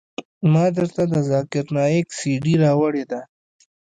ما درته د ذاکر نايک سي ډي راوړې ده.